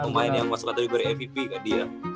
tiga pemain yang masuk kategori mvp kan dia